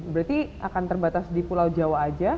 berarti akan terbatas di pulau jawa aja